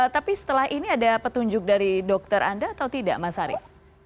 tapi setelah ini ada petunjuk dari dokter anda atau tidak mas arief